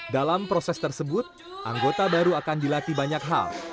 dalam proses tersebut anggota baru akan dilatih banyak hal